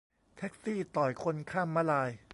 แท็กซี่ต่อยคนข้ามม้าลาย